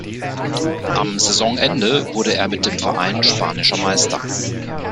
Am Saisonende wurde er mit dem Verein spanischer Meister.